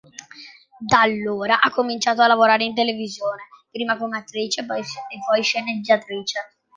Da allora ha cominciato a lavorare in televisione, prima come attrice e poi sceneggiatrice.